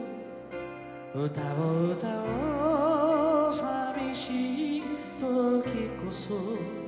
「歌を歌おう寂しいときこそ」